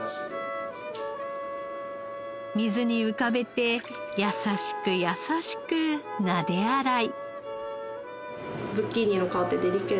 水に浮かべて優しく優しくなで洗い。